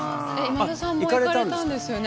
今田さんも行かれたんですよね